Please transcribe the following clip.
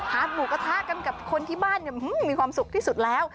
หมูกระทะกันกับคนที่บ้านมีความสุขที่สุดแล้ว